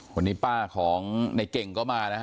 วันนี้ป้าของในเก่งก็มานะฮะ